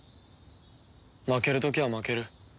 負ける時は負ける。